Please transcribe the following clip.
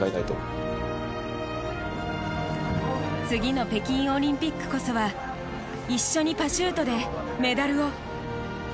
次の北京オリンピックこそは一緒にパシュートでメダルを。